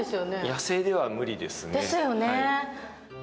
野生では無理ですね。ですよね。